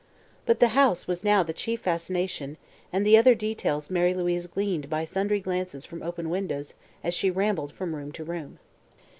But the house was now the chief fascination and the other details Mary Louise gleaned by sundry glances from open windows as she rambled from room to room.